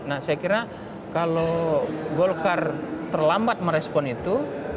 nah saya kira kalau golkar terlambat merespon itu